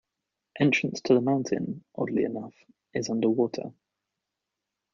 Entrance to the mountain, oddly enough, is under water.